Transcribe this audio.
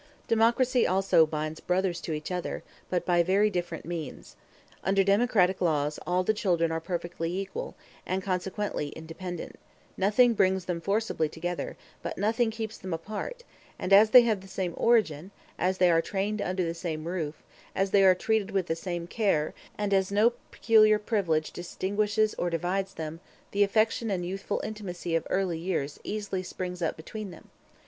Democracy also binds brothers to each other, but by very different means. Under democratic laws all the children are perfectly equal, and consequently independent; nothing brings them forcibly together, but nothing keeps them apart; and as they have the same origin, as they are trained under the same roof, as they are treated with the same care, and as no peculiar privilege distinguishes or divides them, the affectionate and youthful intimacy of early years easily springs up between them.